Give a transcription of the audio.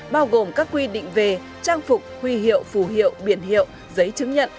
bao gồm các quy định về trang phục huy hiệu phù hiệu biển hiệu giấy chứng nhận